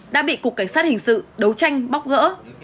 đã bị cục cảnh sát hình sự đấu tranh bóc gỡ